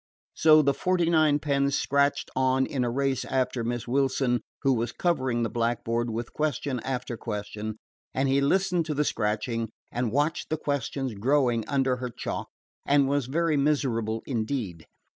So the forty nine pens scratched on in a race after Miss Wilson, who was covering the blackboard with question after question; and he listened to the scratching, and watched the questions growing under her chalk, and was very miserable indeed.